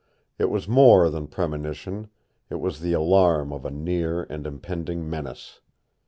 It was more than premonition it was the alarm of a near and impending menace.